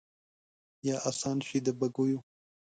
یا آسان شي د بګیو